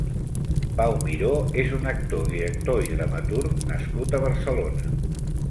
Pau Miró és un actor, director i dramaturg nascut a Barcelona.